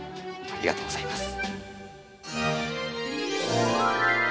ありがとうございます。